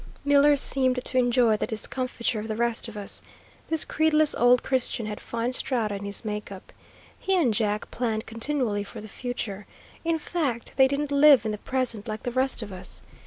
Miller seemed to enjoy the discomfiture of the rest of us. This creedless old Christian had fine strata in his make up. He and Jack planned continually for the future. In fact they didn't live in the present like the rest of us.